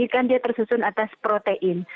ikan dia tersusun atas protein